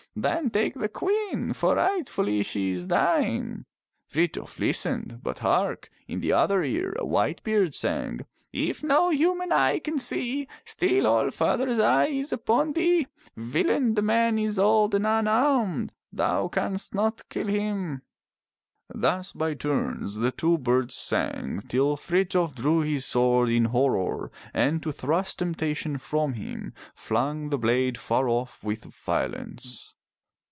Then take the Queen, for rightfully she is thine !" Frithjof listened, but hark! in the other ear a white bird sang. "If no human eye can see, still All father's eye is upon thee. Villain, the man is old and unarmed. Thou canst not kill him.'* Thus by turns the two birds sang, till Frithjof drew his sword in horror, and to thrust temptation from him, flung the blade far off with violence.